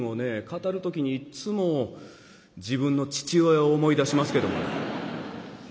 語る時にいつも自分の父親を思い出しますけどもね。